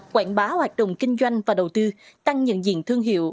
quảng bá hoạt động kinh doanh và đầu tư tăng nhận diện thương hiệu